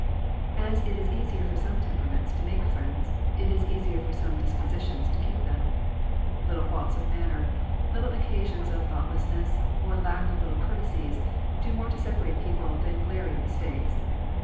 As it is easier for some temperaments to make friends, it is easier for some dis positions to keep them. Little faults of manner, little occasions of thoughtless ness, or lack of the little courtesies, do more to separate people than glaring mis takes.